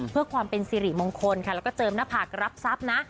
เพื่อความเป็นสิริมงคลค่ะแล้วก็เจิมหน้าผากรับทรัพย์นะ